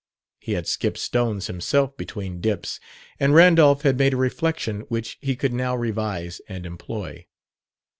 He had skipped stones himself between dips, and Randolph had made a reflection which he could now revise and employ.